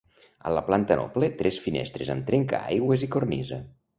A la planta noble tres finestres amb trencaaigües i cornisa.